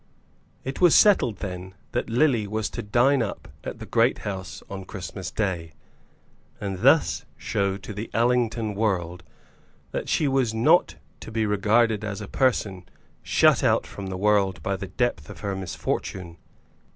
It was settled, then, that Lily was to dine up at the Great House on Christmas Day, and thus show to the Allington world that she was not to be regarded as a person shut out from the world by the depth of her misfortune.